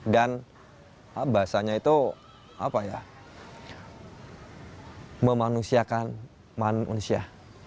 dan bahasanya itu apa ya memanusiakan manusia